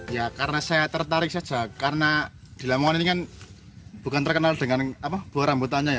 ya karena saya tertarik saja karena di lamongan ini kan bukan terkenal dengan buah rambutannya ya